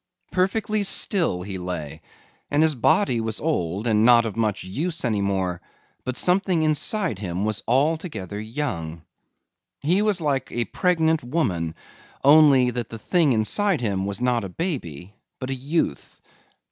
Perfectly still he lay and his body was old and not of much use any more, but something inside him was altogether young. He was like a pregnant woman, only that the thing inside him was not a baby but a youth.